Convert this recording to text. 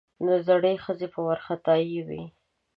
زړې ښځې په وارخطايي وې.